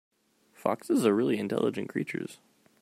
Foxes are really intelligent creatures.